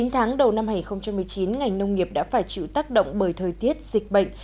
chín tháng đầu năm hai nghìn một mươi chín ngành nông nghiệp đã phải chịu tác động bởi thời tiết dịch bệnh